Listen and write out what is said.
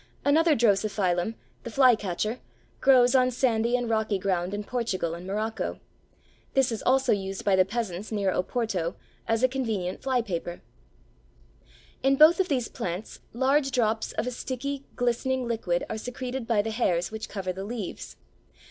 Another Drosophyllum, the Fly Catcher, grows on sandy and rocky ground in Portugal and Morocco. This is also used by the peasants near Oporto as a convenient fly paper. Macchiati, Botan. Centralblatt, 41, 190. In both of these plants large drops of a sticky, glistening liquid are secreted by the hairs which cover the leaves.